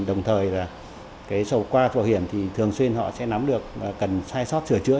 đồng thời sổ bảo hiểm thì thường xuyên họ sẽ nắm được và cần sai sót sửa chữa